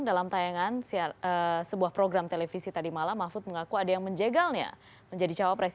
dalam tayangan sebuah program televisi tadi malam mahfud mengaku ada yang menjegalnya menjadi cawapres